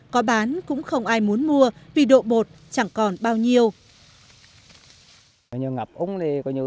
có bán cũng không ai muốn mua vì độ bột chẳng còn bao nhiêu